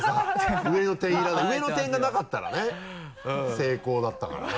上の点いらない上の点がなかったらね成功だったからな。